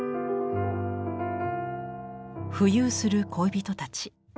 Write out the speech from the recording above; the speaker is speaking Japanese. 浮遊する恋人たち。